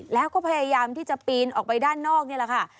แล้วก็พยายามที่จะปีนออกไปด้านนอกนี่แหละค่ะ